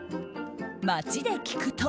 街で聞くと。